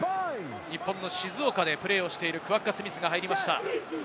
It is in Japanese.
日本の静岡でプレーしているクワッガ・スミスが入りました。